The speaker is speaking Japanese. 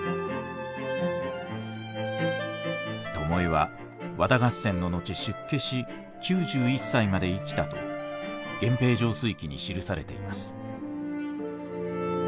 巴は和田合戦の後出家し９１歳まで生きたと「源平盛衰記」に記されています。